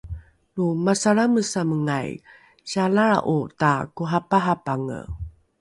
lo masalramesamengai sialalra’o takoraparapange